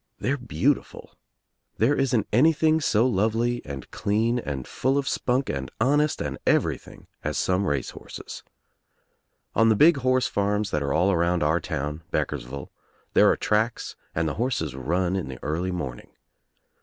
They're beautiful. There isn't anything so lovely and clean and full of spunk and honest and everything as some race horses. On the big horse farms that are all around our town Beck ersville there are tracks and the horses run in the early morning.